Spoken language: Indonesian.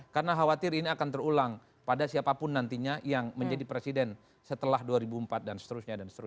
karena khawatir ini akan terulang pada siapapun nantinya yang menjadi presiden setelah dua ribu empat dan seterusnya